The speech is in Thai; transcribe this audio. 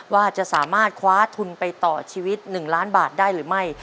ว่าจะสามารถคว้าทุนไปต่อชีวิต๑ล้านบาทได้หรือไม่